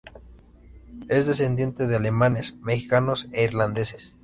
Es descendiente de alemanes, mexicanos e irlandeses.